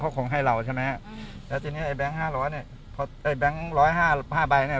เขาคงให้เราใช่ไหมแล้วทีนี้ไอ้แก๊งห้าร้อยเนี้ยพอไอ้แบงค์ร้อยห้าห้าใบเนี้ย